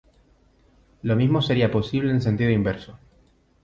Lo mismo sería posible en sentido inverso.